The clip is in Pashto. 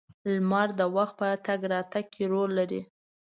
• لمر د وخت په تګ راتګ کې رول لري.